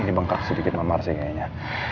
ini bengkak sedikit memar sih kayaknya